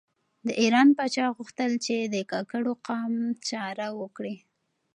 د ایران پاچا غوښتل چې د کاکړو قام چاره وکړي.